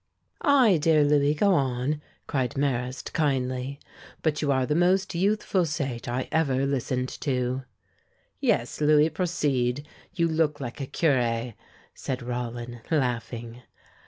"Aye, dear Louis, go on!" cried Marrast, kindly. "But you are the most youthful sage I ever listened to." "Yes, Louis, proceed; you look like a curé," said Rollin, laughing.